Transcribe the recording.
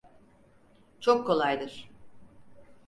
Çok kolaydır.